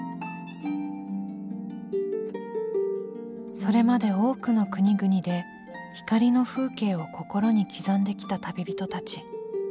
それまで多くの国々で光の風景を心に刻んできた旅人たち。